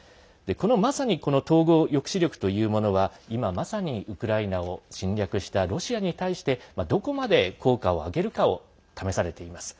まさにこの統合抑止力というものは今まさにウクライナを侵略したロシアに対してどこまで効果をあげるかを試されています。